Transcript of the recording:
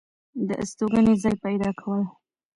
دا ستوګنې ځاے پېدا كول